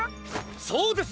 そうです！